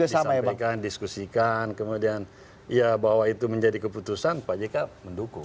disampaikan diskusikan kemudian ya bahwa itu menjadi keputusan pak jk mendukung